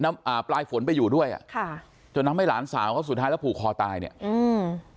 อ่าปลายฝนไปอยู่ด้วยอ่ะค่ะจนทำให้หลานสาวเขาสุดท้ายแล้วผูกคอตายเนี้ยอืม